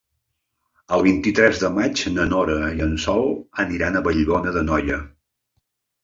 El vint-i-tres de maig na Nora i en Sol aniran a Vallbona d'Anoia.